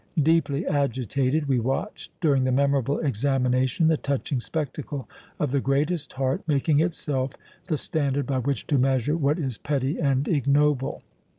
Deeply agitated, we watched during the memorable examination the touching spectacle of the greatest heart making itself the standard by which to measure what is petty and ignoble.